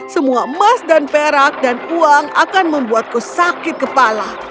semua emas dan perak dan uang akan membuatku sakit kepala